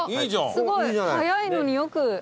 すごい。早いのによく。